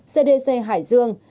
cdc hải dương